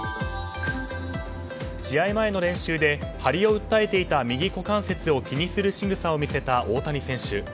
試合前の練習で張りを訴えていた右股関節を気にするしぐさを見せた、大谷選手。